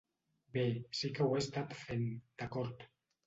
Bé, sí que ho he estat fent, d'acord.